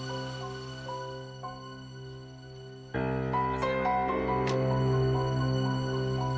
ah mati lagi handphonenya